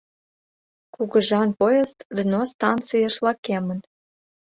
Кугыжан поезд Дно станциеш лакемын.